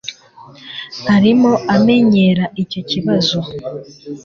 Arimo amenyera icyo kibazo